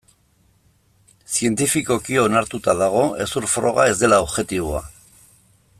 Zientifikoki onartuta dago hezur froga ez dela objektiboa.